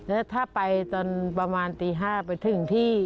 แล้วถ้าไปตอนประมาณตี๕ไปถึงที่